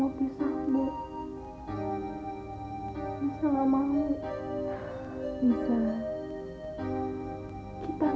om masih yang mau main kemari